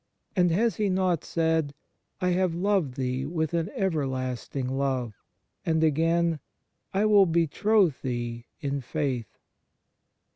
And has He not said, " I have loved thee with an everlasting love "; and again, " I will betroth thee in faith